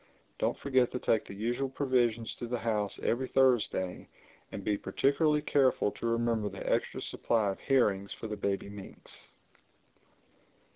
Don't forget to take the usual provisions to the house every Thursday, and be particularly careful to remember the extra supply of herrings for the baby minks."